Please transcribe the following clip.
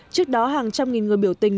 trước đó hàng trăm nghìn người biểu tình